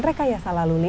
bagaimana perjalanan ini